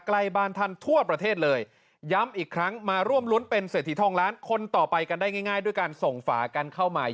กลายบานทันทั่วประเทศเลยย้ำอีกครั้งมาร่วมล้วนเป็นเสถีทองร้าน